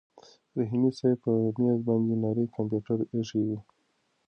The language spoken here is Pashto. رحیمي صیب په مېز باندې نری کمپیوټر ایښی و.